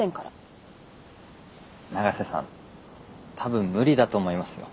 永瀬さん多分無理だと思いますよ。